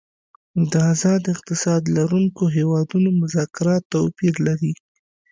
د آزاد اقتصاد لرونکو هیوادونو مذاکرات توپیر لري